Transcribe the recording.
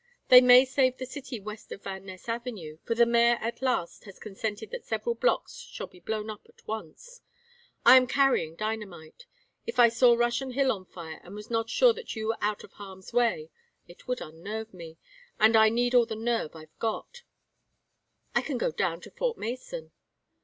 They may save the city west of Van Ness Avenue, for the mayor at last has consented that several blocks shall be blown up at once. I am carrying dynamite. If I saw Russian Hill on fire and was not sure that you were out of harm's way, it would unnerve me, and I need all the nerve I've got." "I can go down to Fort Mason."